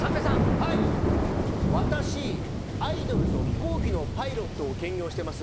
はい私アイドルと飛行機のパイロットを兼業してます。